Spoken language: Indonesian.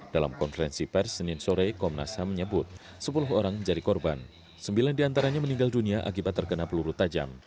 dalam konferensi pers senin sore komnas ham menyebut sepuluh orang jadi korban sembilan diantaranya meninggal dunia akibat terkena peluru tajam